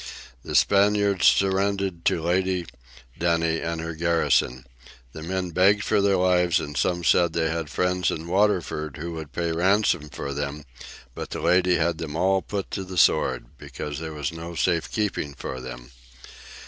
The Spaniards surrendered to Lady Denny and her garrison. The men begged for their lives, and some said they had friends in Waterford who would pay ransom for them; but the lady had them all put to the sword, because "there was no safe keeping for them."